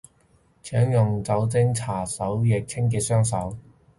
請用酒精搓手液清潔雙手